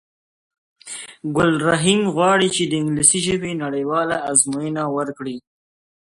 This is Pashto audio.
ګل رحیم غواړی چې د انګلیسی ژبی نړېواله آزموینه ورکړی